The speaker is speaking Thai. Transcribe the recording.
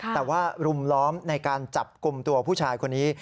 แต่ว่ารุมล้อมในการจับกลุ่มตัวผู้ชายคนนี้